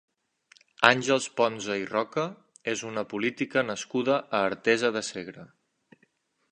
Àngels Ponsa i Roca és una política nascuda a Artesa de Segre.